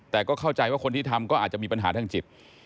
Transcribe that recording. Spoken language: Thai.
แต่ก็เข้าใจว่าคนที่ทำก็อาจจะมีปัญหาทางจิต